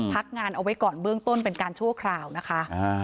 พักงานเอาไว้ก่อนเบื้องต้นเป็นการชั่วคราวนะคะ